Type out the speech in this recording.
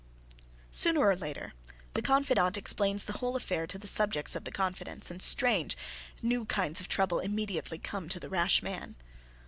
Sooner or later, the confidante explains the whole affair to the subjects of the confidence and strange, new kinds of trouble immediately come to the rash man.